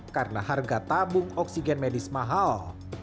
karena harga tabung oksigen medis mahal